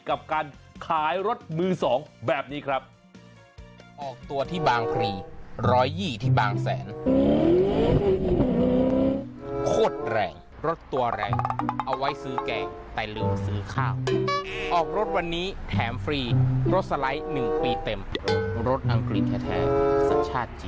กับการขายรถมือ๒แบบนี้ครับ